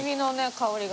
香りが。